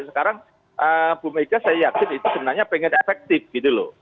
sekarang bu mega saya yakin itu sebenarnya pengen efektif gitu loh